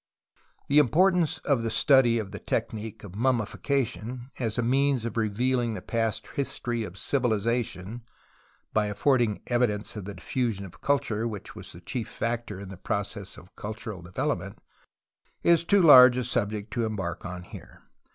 The importance of the study of the technique of mummification as a means of revealing the past history of civilization (by affording evi dence of the diffusion of culture which was the chief factor in the process of cultural development) is too large a subject to embark on here.